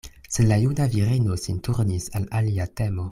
Sed la juna virino sin turnis al alia temo.